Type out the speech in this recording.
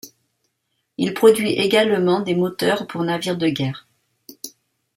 Il produit également des moteurs pour navires de guerre.